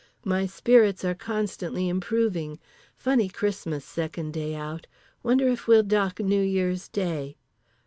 My spirits are constantly improving. Funny Christmas, second day out. Wonder if we'll dock New Year's Day.